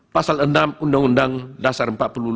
pasal enam undang undang dasar empat puluh lima